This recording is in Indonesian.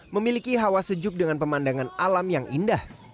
memiliki hawa sejuk dengan pemandangan alam yang indah